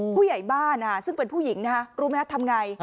ผู้ใหญ่บ้านซึ่งเป็นผู้หญิงรู้ไหมฮะทำไง